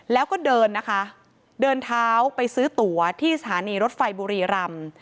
แล้วก็เดินนะคะเดินเท้าไปซื้อตั๋วที่สถานีรถไฟบุรีรำ